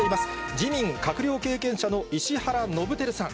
自民、閣僚経験者の石原伸晃さん。